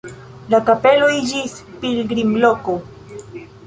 La kapelo iĝis pilgrimloko.